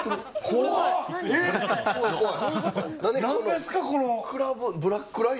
怖い怖い。